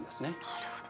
なるほど。